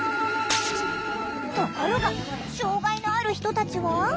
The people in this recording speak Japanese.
ところが障害のある人たちは。